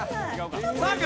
３秒！